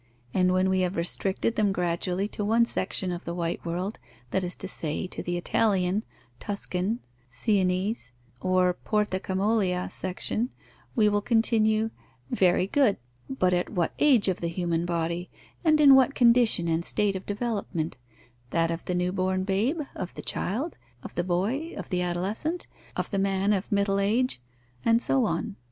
And when we have restricted them gradually to one section of the white world, that is to say, to the Italian, Tuscan, Siennese, or Porta Camollia section, we will continue: "Very good; but at what age of the human body, and in what condition and state of development that of the new born babe, of the child, of the boy, of the adolescent, of the man of middle age, and so on?